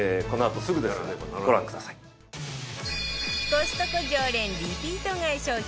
コストコ常連リピート買い商品